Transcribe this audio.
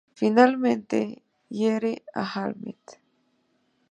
Finalmente hiere a Hamlet.